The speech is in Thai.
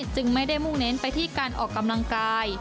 จึงไม่ได้มุ่งเน้นไปที่การออกกำลังกาย